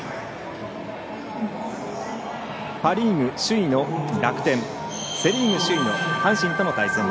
パ・リーグ首位の楽天セ・リーグ首位の阪神との対戦。